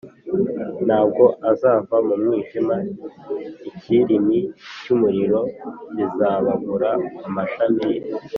ntabwo azava mu mwijima, ikirimi cy’umuriro kizababura amashami ye,